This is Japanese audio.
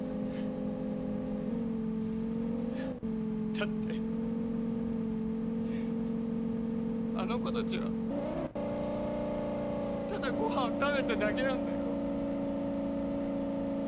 だってあの子たちはただごはんを食べてただけなんだよ。